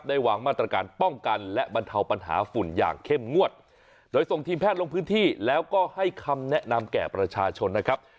วางมาตรการป้องกันและบรรเทาปัญหาฝุ่นอย่างเข้มงวดโดยส่งทีมแพทย์ลงพื้นที่แล้วก็ให้คำแนะนำแก่ประชาชนนะครับ